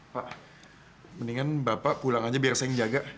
pak mendingan bapak pulang aja biar saya ngejaga